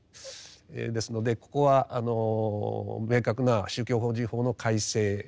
ですのでここは明確な宗教法人法の改正が必要であろう。